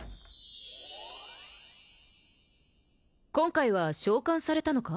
今回は召喚されたのか？